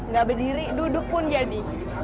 gak berdiri duduk pun jadi